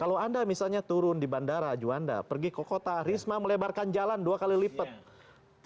kalau anda misalnya turun di bandara juanda pergi ke kota risma melebarkan jalan dua kali lipat